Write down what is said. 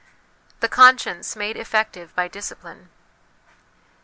The Conscience made effective by Discipline.